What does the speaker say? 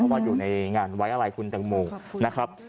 เพราะว่าอยู่ในงานไว้อะไรคุณตะโมงนะครับ